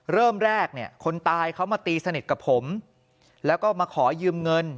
เริ่มแรกเนี่ยคนตายเขามาตีสนิทกับผมแล้วก็มาขอยืมเงิน